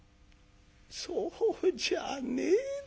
「そうじゃねえだ。